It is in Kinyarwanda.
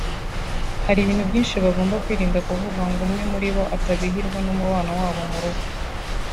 Hari ibintu byinshi bagomba kwirinda kuvuga ngo umwe muri bo atabihirwa n’umubano wabo mu rugo